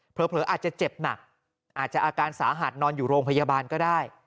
เผลออาจจะเจ็บหนักอาจจะอาการสาหัสนอนอยู่โรงพยาบาลก็ได้